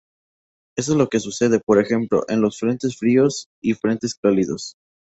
Esto es lo que sucede, por ejemplo, en los frentes fríos y frentes cálidos.